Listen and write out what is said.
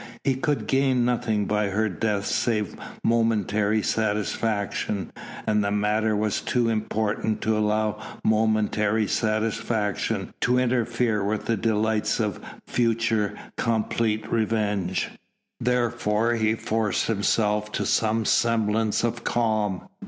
He could gain nothing by her death save momentary satisfaction, and the matter was too important to allow momentary satisfaction to interfere with the delights of future complete revenge. Therefore he forced himself to some semblance of calm.